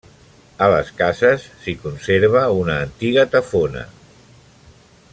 A les cases s'hi conserva una antiga tafona.